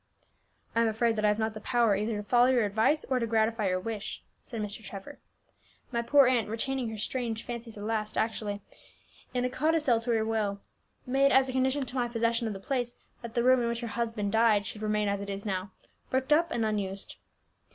"I am afraid that I have not the power either to follow your advice or to gratify your wish," said Mr. Trevor. "My poor aunt, retaining her strange fancy to the last, actually in a codicil to her will made as a condition to my possession of the place that the room in which her husband died should remain as it is now, bricked up and unused."